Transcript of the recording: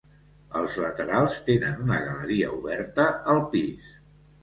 Els laterals tenen una galeria oberta al pis.